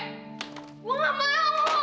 gue gak mau